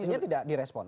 artinya tidak di respon